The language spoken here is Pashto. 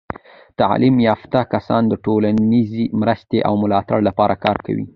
تعلیم یافته کسان د ټولنیزې مرستې او ملاتړ لپاره کار کوي.